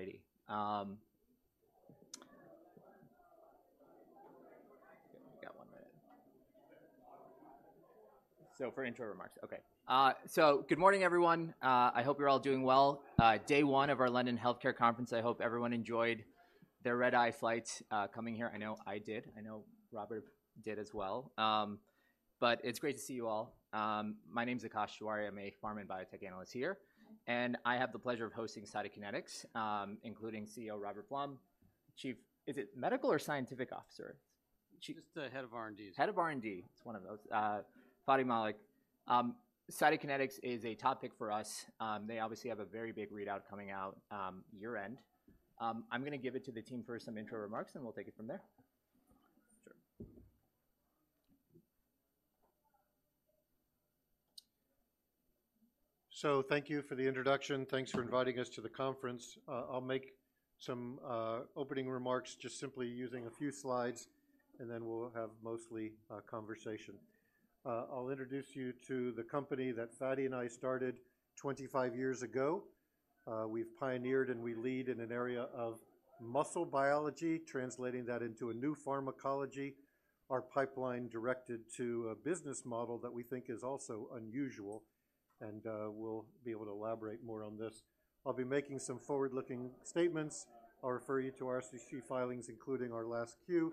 Alrighty. Got one minute. So for intro remarks, okay. So good morning, everyone. I hope you're all doing well. Day one of our London Healthcare Conference. I hope everyone enjoyed their red-eye flight, coming here. I know I did. I know Robert did as well. But it's great to see you all. My name is Akash Tewari. I'm a pharm and biotech analyst here, and I have the pleasure of hosting Cytokinetics, including CEO, Robert Blum, Chief... Is it medical or scientific officer? Chief- Just the head of R&D. Head of R&D. It's one of those, Fady Malik. Cytokinetics is a topic for us. They obviously have a very big readout coming out, year-end. I'm gonna give it to the team for some intro remarks, and we'll take it from there. Sure. So thank you for the introduction. Thanks for inviting us to the conference. I'll make some opening remarks just simply using a few slides, and then we'll have mostly conversation. I'll introduce you to the company that Fady and I started 25 years ago. We've pioneered, and we lead in an area of muscle biology, translating that into a new pharmacology. Our pipeline directed to a business model that we think is also unusual, and we'll be able to elaborate more on this. I'll be making some forward-looking statements. I'll refer you to our SEC filings, including our last Q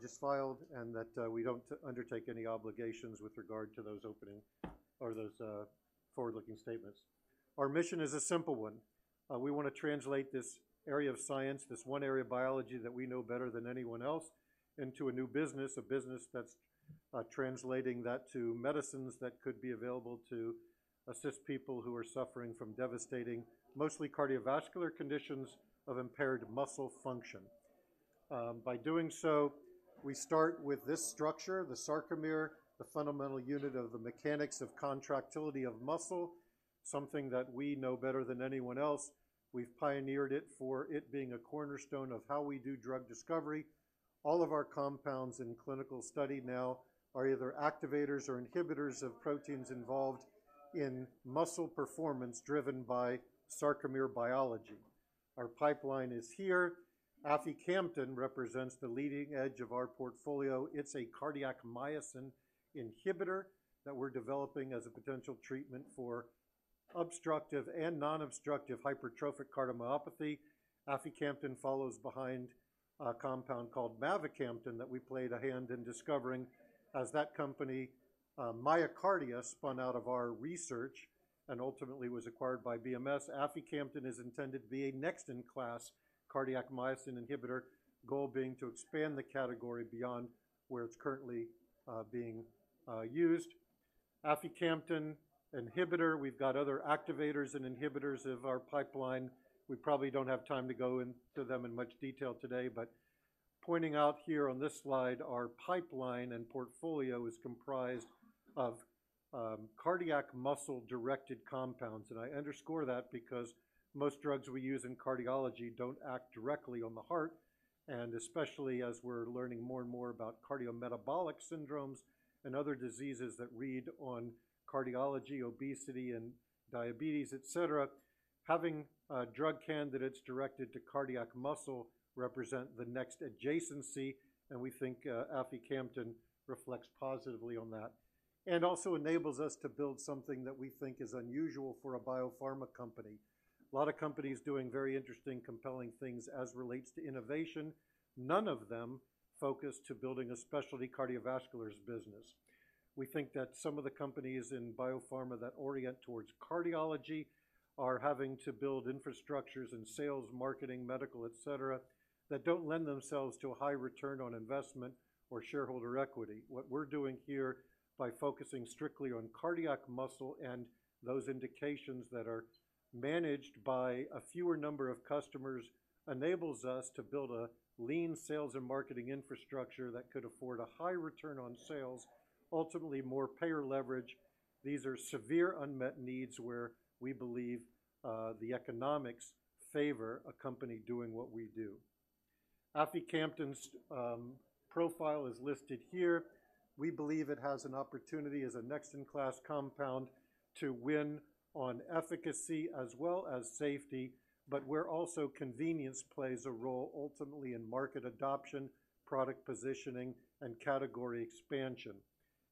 just filed, and that we don't undertake any obligations with regard to those opening or those forward-looking statements. Our mission is a simple one. We want to translate this area of science, this one area of biology that we know better than anyone else, into a new business, a business that's translating that to medicines that could be available to assist people who are suffering from devastating, mostly cardiovascular conditions of impaired muscle function. By doing so, we start with this structure, the sarcomere, the fundamental unit of the mechanics of contractility of muscle, something that we know better than anyone else. We've pioneered it for it being a cornerstone of how we do drug discovery. All of our compounds in clinical study now are either activators or inhibitors of proteins involved in muscle performance driven by sarcomere biology. Our pipeline is here. Aficamten represents the leading edge of our portfolio. It's a cardiac myosin inhibitor that we're developing as a potential treatment for obstructive and non-obstructive hypertrophic cardiomyopathy. Aficamten follows behind a compound called mavacamten that we played a hand in discovering as that company, MyoKardia spun out of our research and ultimately was acquired by BMS. Aficamten is intended to be a next-in-class cardiac myosin inhibitor, goal being to expand the category beyond where it's currently being used. Aficamten inhibitor, we've got other activators and inhibitors of our pipeline. We probably don't have time to go into them in much detail today, but pointing out here on this slide, our pipeline and portfolio is comprised of cardiac muscle-directed compounds, and I underscore that because most drugs we use in cardiology don't act directly on the heart, and especially as we're learning more and more about cardiometabolic syndromes and other diseases that read on cardiology, obesity, and diabetes, et cetera. Having drug candidates directed to cardiac muscle represent the next adjacency, and we think aficamten reflects positively on that and also enables us to build something that we think is unusual for a biopharma company. A lot of companies doing very interesting, compelling things as relates to innovation. None of them focus to building a specialty cardiovasculars business. We think that some of the companies in biopharma that orient towards cardiology are having to build infrastructures and sales, marketing, medical, et cetera, that don't lend themselves to a high return on investment or shareholder equity. What we're doing here by focusing strictly on cardiac muscle and those indications that are managed by a fewer number of customers, enables us to build a lean sales and marketing infrastructure that could afford a high return on sales, ultimately more payer leverage. These are severe unmet needs where we believe the economics favor a company doing what we do. Aficamten's profile is listed here. We believe it has an opportunity as a next-in-class compound to win on efficacy as well as safety, but where also convenience plays a role ultimately in market adoption, product positioning, and category expansion.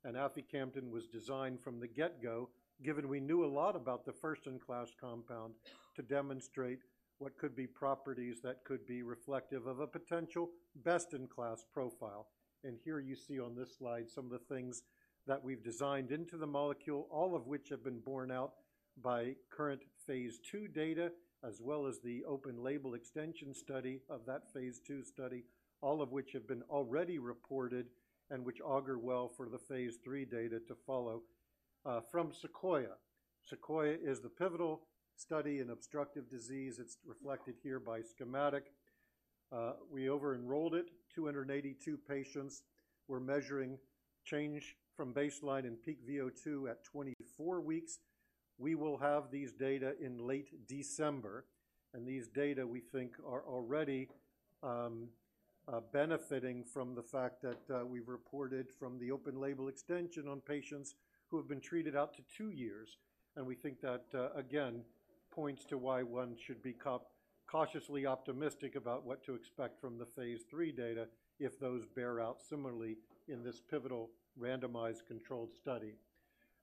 Aficamten was designed from the get-go, given we knew a lot about the first-in-class compound, to demonstrate what could be properties that could be reflective of a potential best-in-class profile. Here you see on this slide some of the things that we've designed into the molecule, all of which have been borne out by current phase II data, as well as the open label extension study of that phase II study, all of which have been already reported and which augur well for the phase III data to follow from SEQUOIA. SEQUOIA is the pivotal study in obstructive disease. It's reflected here by schematic. We over-enrolled it, 282 patients. We're measuring change from baseline in peak VO2 at 24 weeks. We will have these data in late December, and these data, we think, are already... Benefiting from the fact that, we've reported from the open label extension on patients who have been treated out to two years, and we think that, again, points to why one should be cautiously optimistic about what to expect from the phase III data if those bear out similarly in this pivotal randomized controlled study.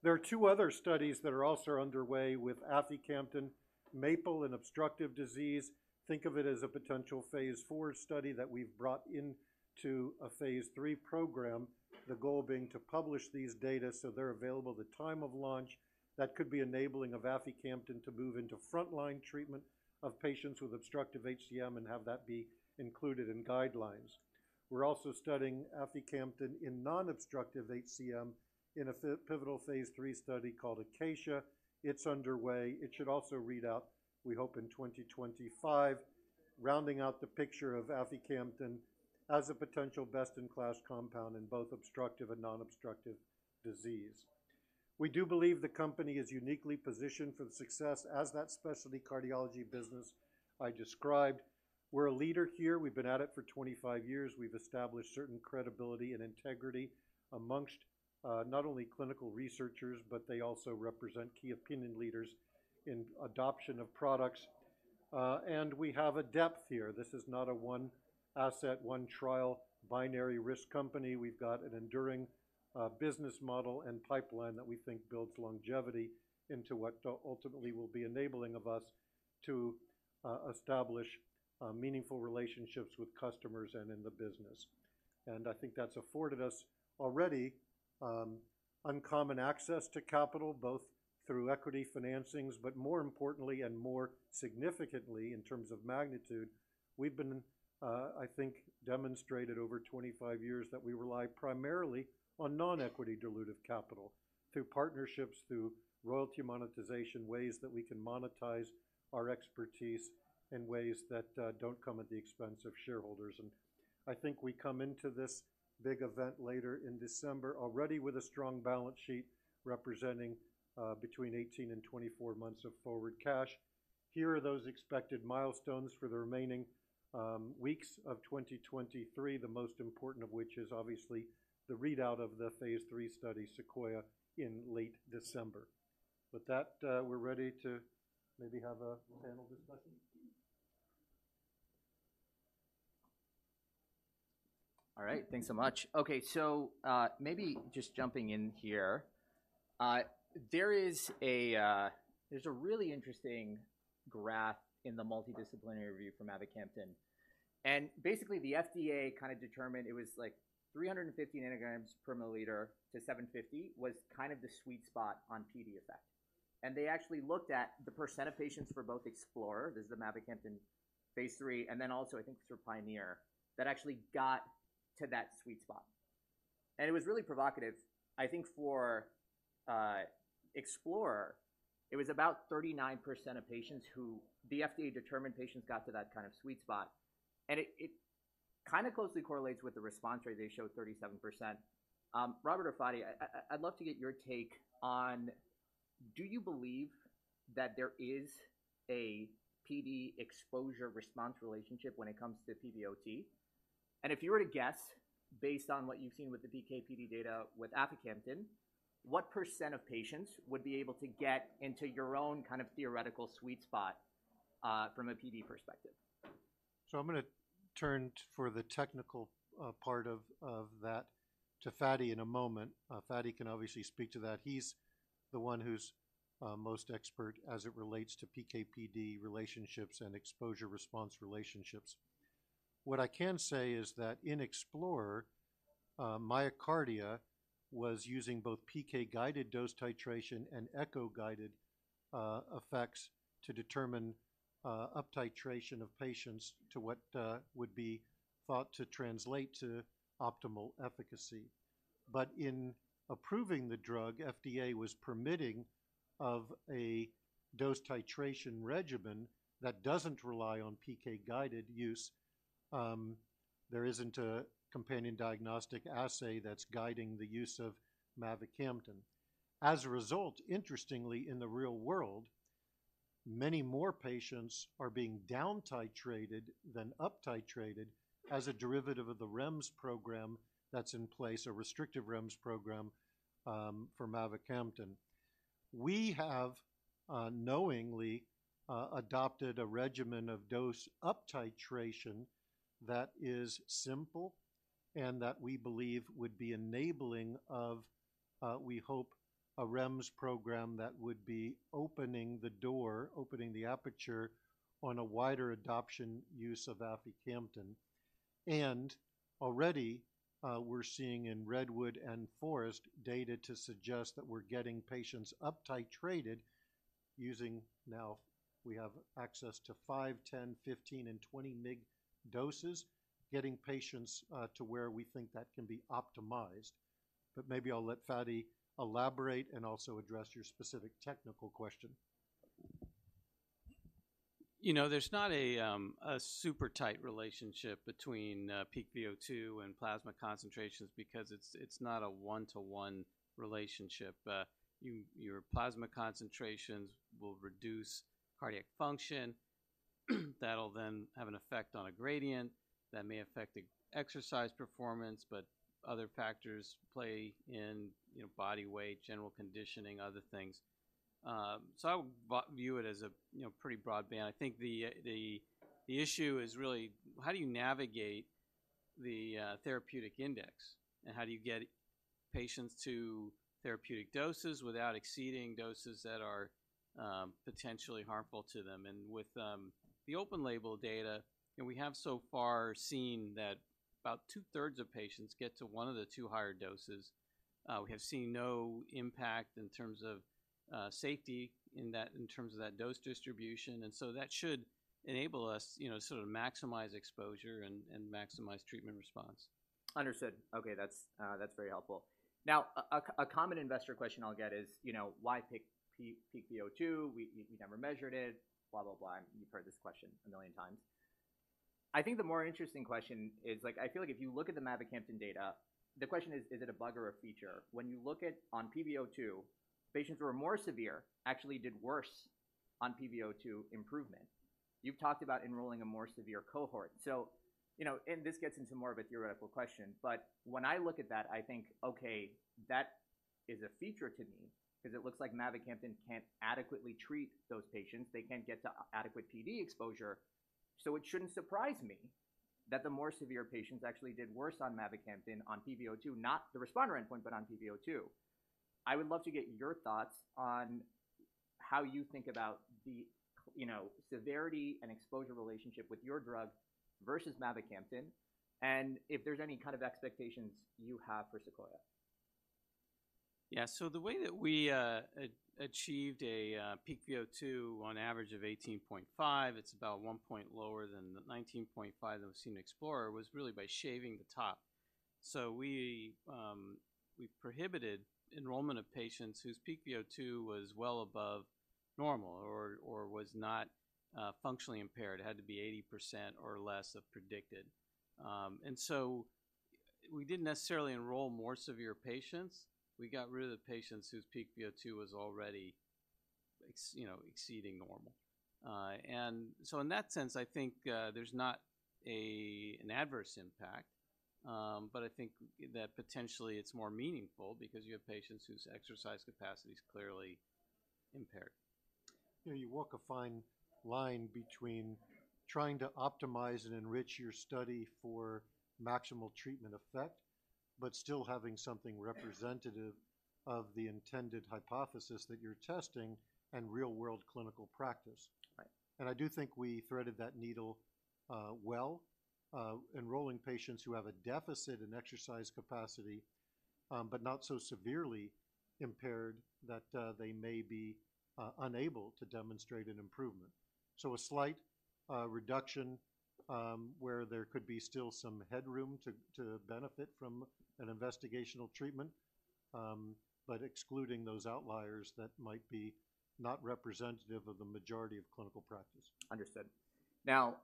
There are two other studies that are also underway with aficamten, MAPLE and obstructive disease. Think of it as a potential phase IV study that we've brought into a phase III program, the goal being to publish these data so they're available at the time of launch. That could be enabling of aficamten to move into frontline treatment of patients with obstructive HCM and have that be included in guidelines. We're also studying aficamten in non-obstructive HCM in a pivotal phase III study called ACACIA. It's underway. It should also read out, we hope, in 2025, rounding out the picture of aficamten as a potential best-in-class compound in both obstructive and non-obstructive disease. We do believe the company is uniquely positioned for the success as that specialty cardiology business I described. We're a leader here. We've been at it for 25 years. We've established certain credibility and integrity among not only clinical researchers, but they also represent key opinion leaders in adoption of products. And we have a depth here. This is not a one asset, one trial, binary risk company. We've got an enduring business model and pipeline that we think builds longevity into what ultimately will be enabling of us to establish meaningful relationships with customers and in the business. I think that's afforded us already, uncommon access to capital, both through equity financings, but more importantly and more significantly in terms of magnitude, we've been, I think, demonstrated over 25 years that we rely primarily on non-equity dilutive capital through partnerships, through royalty monetization, ways that we can monetize our expertise in ways that don't come at the expense of shareholders. I think we come into this big event later in December, already with a strong balance sheet representing between 18 and 24 months of forward cash. Here are those expected milestones for the remaining weeks of 2023, the most important of which is obviously the readout of the phase III study, SEQUOIA, in late December. With that, we're ready to maybe have a panel discussion. All right. Thanks so much. Okay, so, maybe just jumping in here. There is a... There's a really interesting graph in the multidisciplinary review for mavacamten, and basically, the FDA kind of determined it was like 350 nanograms per milliliter to 750 was kind of the sweet spot on PD effect. And they actually looked at the percent of patients for both EXPLORER, this is the mavacamten phase III, and then also I think through PIONEER, that actually got to that sweet spot. And it was really provocative. I think for, EXPLORER, it was about 39% of patients who the FDA determined patients got to that kind of sweet spot, and it, it kind of closely correlates with the response rate. They showed 37%. Robert or Fady, I'd love to get your take on, do you believe that there is a PD exposure-response relationship when it comes to pVO2? and if you were to guess, based on what you've seen with the PK/PD data with aficamten, what % of patients would be able to get into your own kind of theoretical sweet spot, from a PD perspective? So I'm gonna turn for the technical part of that to Fady in a moment. Fady can obviously speak to that. He's the one who's most expert as it relates to PK/PD relationships and exposure-response relationships. What I can say is that in EXPLORER, MyoKardia was using both PK-guided dose titration and echo-guided effects to determine up titration of patients to what would be thought to translate to optimal efficacy. But in approving the drug, FDA was permitting of a dose titration regimen that doesn't rely on PK-guided use. There isn't a companion diagnostic assay that's guiding the use of mavacamten. As a result, interestingly, in the real world, many more patients are being down titrated than up titrated as a derivative of the REMS program that's in place, a restrictive REMS program for mavacamten. We have knowingly adopted a regimen of dose up titration that is simple and that we believe would be enabling of, we hope, a REMS program that would be opening the door, opening the aperture on a wider adoption use of aficamten. And already, we're seeing in REDWOOD and FOREST data to suggest that we're getting patients up titrated using... Now, we have access to 5, 10, 15, and 20 mg doses, getting patients, to where we think that can be optimized. But maybe I'll let Fady elaborate and also address your specific technical question. You know, there's not a super tight relationship between peak VO2 and plasma concentrations because it's not a one-to-one relationship. Your plasma concentrations will reduce cardiac function. That'll then have an effect on a gradient that may affect the exercise performance, but other factors play in, you know, body weight, general conditioning, other things. So I would view it as a, you know, pretty broad band. I think the issue is really how do you navigate the therapeutic index? And how do you get patients to therapeutic doses without exceeding doses that are potentially harmful to them? And with the open label data, and we have so far seen that about two-thirds of patients get to one of the two higher doses. We have seen no impact in terms of safety in that, in terms of that dose distribution, and so that should enable us, you know, to sort of maximize exposure and maximize treatment response. Understood. Okay, that's very helpful. Now, a common investor question I'll get is, you know, why pick peak VO2? We never measured it, blah, blah, blah. You've heard this question a million times. I think the more interesting question is, like, I feel like if you look at the mavacamten data, the question is: Is it a bug or a feature? When you look at on pVO2, patients who are more severe actually did worse on pVO2 improvement. You've talked about enrolling a more severe cohort. So, you know, and this gets into more of a theoretical question, but when I look at that, I think, okay, that is a feature to me because it looks like mavacamten can't adequately treat those patients. They can't get to adequate PD exposure. So it shouldn't surprise me that the more severe patients actually did worse on mavacamten on pVO2, not the responder endpoint, but on pVO2. I would love to get your thoughts on how you think about the, you know, severity and exposure relationship with your drug versus mavacamten, and if there's any kind of expectations you have for SEQUOIA. Yeah. So the way that we achieved a peak VO2 on average of 18.5, it's about 1 point lower than the 19.5 that was seen in EXPLORER, was really by shaving the top. So we prohibited enrollment of patients whose peak VO2 was well above normal or was not functionally impaired. It had to be 80% or less of predicted. And so we didn't necessarily enroll more severe patients. We got rid of the patients whose peak VO2 was already exceeding normal. You know, and so in that sense, I think there's not an adverse impact. But I think that potentially it's more meaningful because you have patients whose exercise capacity is clearly impaired. You know, you walk a fine line between trying to optimize and enrich your study for maximal treatment effect, but still having something representative of the intended hypothesis that you're testing in real-world clinical practice. Right. And I do think we threaded that needle, well, enrolling patients who have a deficit in exercise capacity, but not so severely impaired that they may be unable to demonstrate an improvement. So a slight reduction, where there could be still some headroom to benefit from an investigational treatment, but excluding those outliers that might be not representative of the majority of clinical practice. Understood. Now,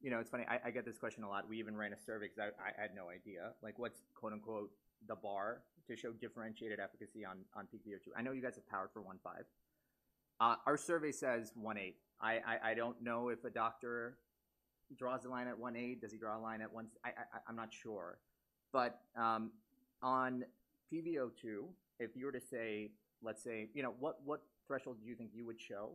you know, it's funny, I get this question a lot. We even ran a survey because I had no idea. Like, what's, quote-unquote, "the bar" to show differentiated efficacy on peak VO2? I know you guys have powered for 1.5. Our survey says 1.8. I don't know if a doctor draws the line at 1.8. Does he draw a line at one... I'm not sure. But on pVO2, if you were to say, let's say, you know, what threshold do you think you would show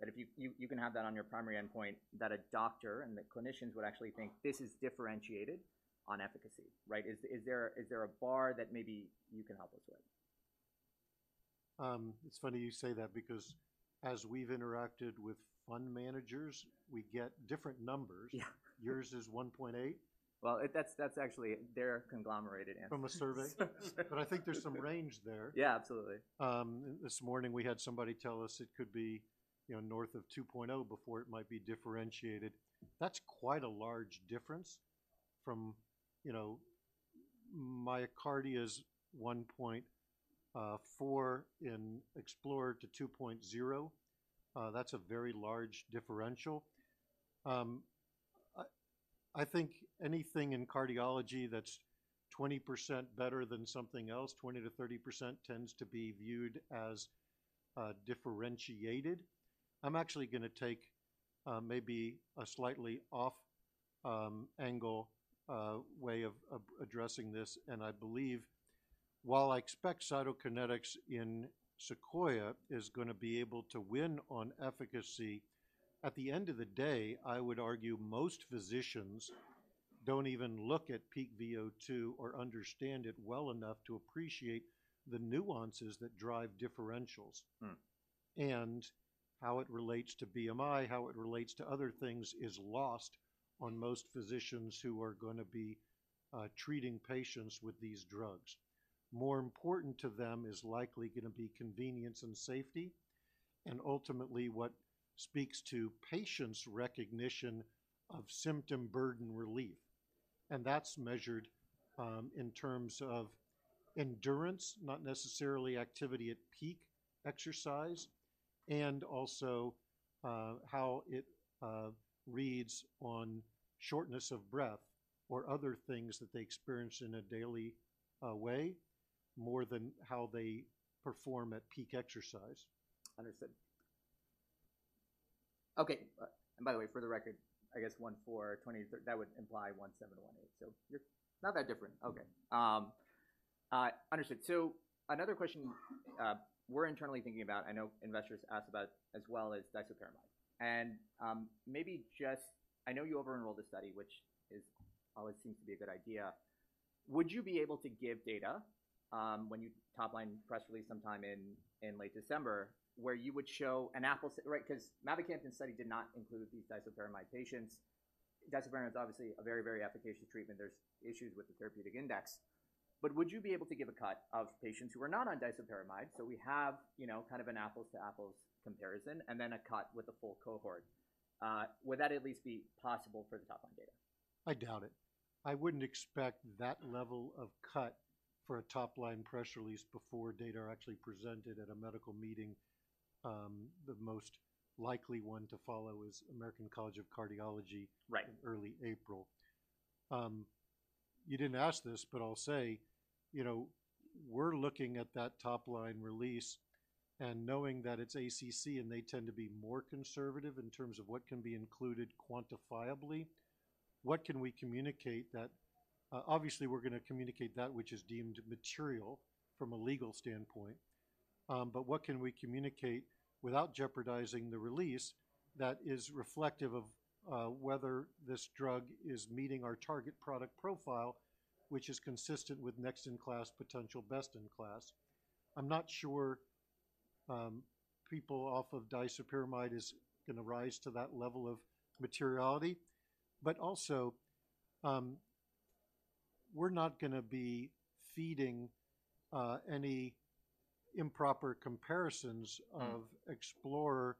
that if you can have that on your primary endpoint, that a doctor and the clinicians would actually think this is differentiated on efficacy, right? Is there a bar that maybe you can help us with? It's funny you say that, because as we've interacted with fund managers, we get different numbers. Yeah. Yours is 1.8? Well, that's actually their conglomerated answer. From a survey? Yes. But I think there's some range there. Yeah, absolutely. This morning, we had somebody tell us it could be, you know, north of 2.0 before it might be differentiated. That's quite a large difference from, you know, mavacamten, 1.4 in EXPLORER to 2.0. That's a very large differential. I think anything in cardiology that's 20% better than something else, 20%-30% tends to be viewed as differentiated. I'm actually gonna take maybe a slightly off-angle way of addressing this, and I believe, while I expect Cytokinetics in SEQUOIA is gonna be able to win on efficacy, at the end of the day, I would argue most physicians don't even look at peak VO2 or understand it well enough to appreciate the nuances that drive differentials. Hmm. And how it relates to BMI, how it relates to other things, is lost on most physicians who are gonna be treating patients with these drugs. More important to them is likely gonna be convenience and safety, and ultimately, what speaks to patients' recognition of symptom burden relief, and that's measured in terms of endurance, not necessarily activity at peak exercise, and also how it reads on shortness of breath or other things that they experience in a daily way.... more than how they perform at peak exercise. Understood. Okay, and by the way, for the record, I guess $14.20, that would imply $17-$18. So you're not that different. Okay. Understood. So another question, we're internally thinking about, I know investors ask about as well, is disopyramide. And, maybe just... I know you over-enrolled the study, which always seems to be a good idea. Would you be able to give data, when you top-line press release sometime in late December, where you would show an apple- Right, 'cause mavacamten study did not include these disopyramide patients. Disopyramide is obviously a very applicable treatment. There's issues with the therapeutic index. But would you be able to give a cut of patients who are not on disopyramide, so we have, you know, kind of an apples-to-apples comparison and then a cut with a full cohort? Would that at least be possible for the top-line data? I doubt it. I wouldn't expect that level of cut for a top-line press release before data are actually presented at a medical meeting. The most likely one to follow is American College of Cardiology. Right - in early April. You didn't ask this, but I'll say, you know, we're looking at that top-line release and knowing that it's ACC, and they tend to be more conservative in terms of what can be included quantifiably. What can we communicate that, obviously, we're gonna communicate that which is deemed material from a legal standpoint, but what can we communicate without jeopardizing the release that is reflective of, whether this drug is meeting our target product profile, which is consistent with next-in-class, potential best-in-class? I'm not sure, people off of disopyramide is gonna rise to that level of materiality, but also, we're not gonna be feeding, any improper comparisons- Mm-hmm. of EXPLORER-HCM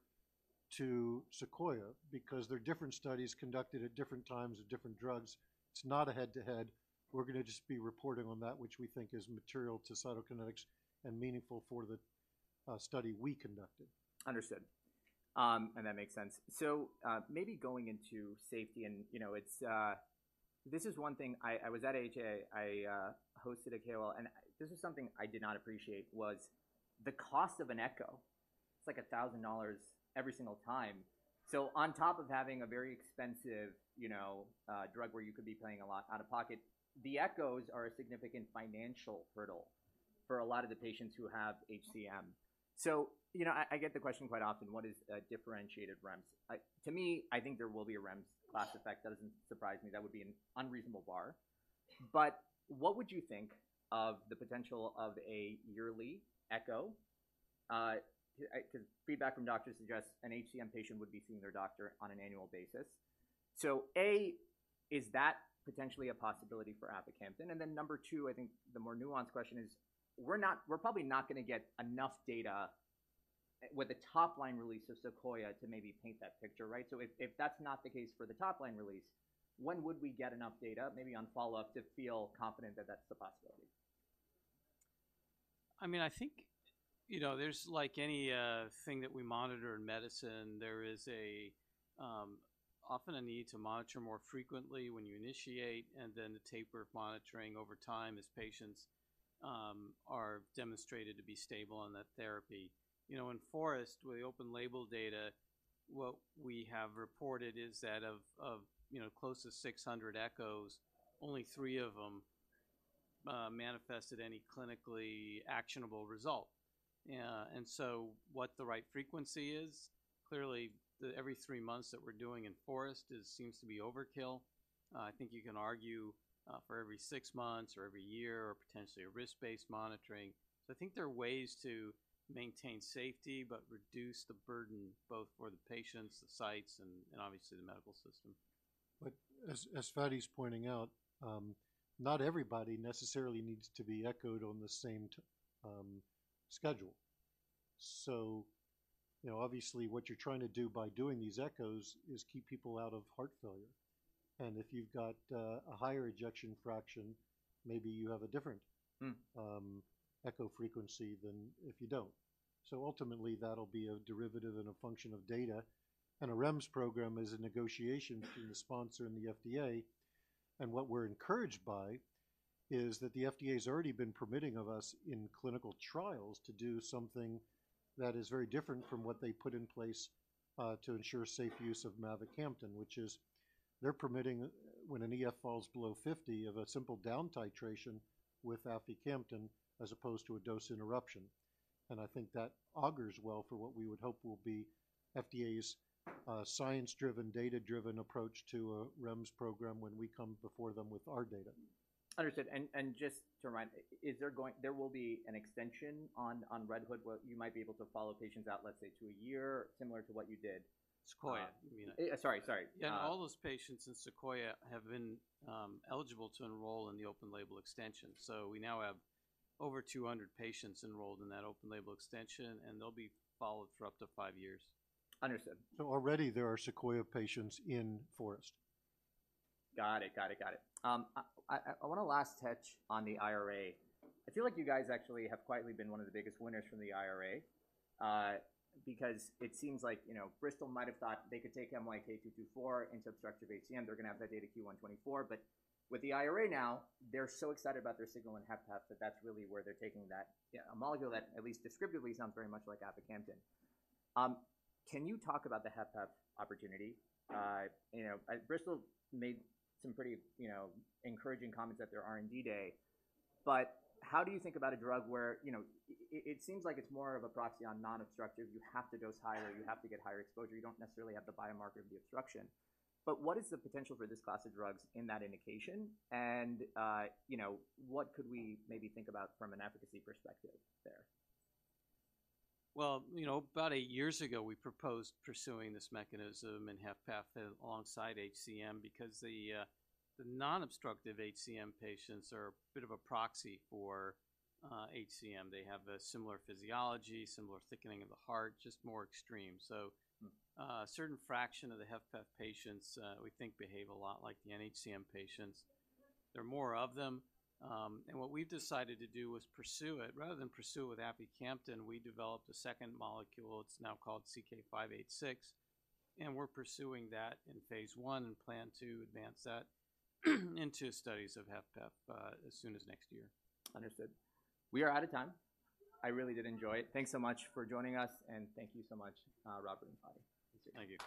to SEQUOIA-HCM because they're different studies conducted at different times with different drugs. It's not a head-to-head. We're gonna just be reporting on that which we think is material to pharmacokinetics and meaningful for the study we conducted. Understood. And that makes sense. So, maybe going into safety and, you know, it's... This is one thing I was at AHA, I hosted a KOL, and this is something I did not appreciate was the cost of an echo. It's like $1,000 every single time. So on top of having a very expensive, you know, drug where you could be paying a lot out of pocket, the echoes are a significant financial hurdle for a lot of the patients who have HCM. So, you know, I get the question quite often: What is a differentiated REMS? To me, I think there will be a REMS class effect. That doesn't surprise me. That would be an unreasonable bar. But what would you think of the potential of a yearly echo? 'Cause feedback from doctors suggests an HCM patient would be seeing their doctor on an annual basis. So, A, is that potentially a possibility for aficamten? And then number two, I think the more nuanced question is, we're probably not gonna get enough data with the top-line release of SEQUOIA to maybe paint that picture, right? So if that's not the case for the top-line release, when would we get enough data, maybe on follow-up, to feel confident that that's a possibility? I mean, I think, you know, there's like anything that we monitor in medicine, there is often a need to monitor more frequently when you initiate and then the taper of monitoring over time as patients are demonstrated to be stable on that therapy. You know, in FOREST, with the open label data, what we have reported is that of, you know, close to 600 echoes, only three of them manifested any clinically actionable result. And so what the right frequency is, clearly, the every three months that we're doing in FOREST it seems to be overkill. I think you can argue for every six months or every year or potentially a risk-based monitoring. So I think there are ways to maintain safety but reduce the burden both for the patients, the sites, and obviously, the medical system. But as Fady's pointing out, not everybody necessarily needs to be echoed on the same schedule. So, you know, obviously, what you're trying to do by doing these echoes is keep people out of heart failure. And if you've got a higher ejection fraction, maybe you have a different- Mm... echo frequency than if you don't. So ultimately, that'll be a derivative and a function of data. And a REMS program is a negotiation between the sponsor and the FDA, and what we're encouraged by is that the FDA's already been permitting of us in clinical trials to do something that is very different from what they put in place, to ensure safe use of mavacamten, which is they're permitting, when an EF falls below 50, of a simple down titration with aficamten, as opposed to a dose interruption. And I think that augurs well for what we would hope will be FDA's, science-driven, data-driven approach to a REMS program when we come before them with our data. Understood. And just to remind, is there going to be an extension on REDWOOD, where you might be able to follow patients out, let's say, to a year, similar to what you did? SEQUOIA, you mean. Sorry, sorry. Yeah, all those patients in SEQUOIA have been eligible to enroll in the open-label extension. So we now have over 200 patients enrolled in that open-label extension, and they'll be followed for up to 5 years. Understood. Already there are SEQUOIA patients in FOREST. Got it. Got it. Got it. I want to last touch on the IRA. I feel like you guys actually have quietly been one of the biggest winners from the IRA, because it seems like, you know, Bristol might have thought they could take MYK-224 into obstructive HCM. They're gonna have that data Q1 2024. But with the IRA now, they're so excited about their signal in HFpEF that that's really where they're taking that, a molecule that at least descriptively sounds very much like aficamten. Can you talk about the HFpEF opportunity? You know, Bristol made some pretty, you know, encouraging comments at their R&D day. But how do you think about a drug where, you know, it seems like it's more of a proxy on non-obstructive? You have to dose higher, you have to get higher exposure. You don't necessarily have the biomarker of the obstruction. But what is the potential for this class of drugs in that indication? And, you know, what could we maybe think about from an efficacy perspective there? Well, you know, about eight years ago, we proposed pursuing this mechanism in HFpEF alongside HCM because the non-obstructive HCM patients are a bit of a proxy for HCM. They have a similar physiology, similar thickening of the heart, just more extreme. So- Mm... a certain fraction of the HFpEF patients, we think, behave a lot like the NHCM patients. There are more of them, and what we've decided to do was pursue it. Rather than pursue with aficamten, we developed a second molecule. It's now called CK-586, and we're pursuing that in phase I and plan to advance that into studies of HFpEF, as soon as next year. Understood. We are out of time. I really did enjoy it. Thanks so much for joining us, and thank you so much, Robert and Fady. Thank you.